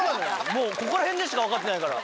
もうここら辺でしか分かってないから。